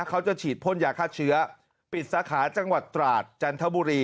เขาจะฉีดพ่นยาฆ่าเชื้อปิดสาขาจังหวัดตราดจันทบุรี